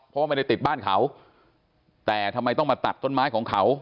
เพราะว่าไม่ได้ติดบ้านเขาแต่ทำไมต้องมาตัดต้นไม้ของเขา